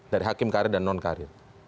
dari hakim karir dan non karir